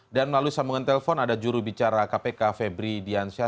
dan melalui sambungan telepon ada jurubicara kpk febri diansyah